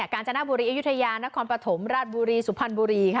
การจนบุรีอายุทยานครปฐมราชบุรีสุพรรณบุรี